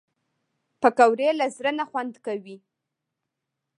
پکورې له زړه نه خوند کوي